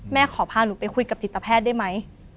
ขอพาหนูไปคุยกับจิตแพทย์ได้ไหม